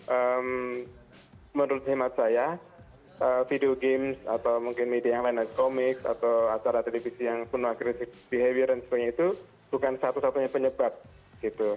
jadi menurut khidmat saya video games atau mungkin media yang lain komik atau acara televisi yang penuh agresif behavior dan sebagainya itu bukan satu satunya penyebab gitu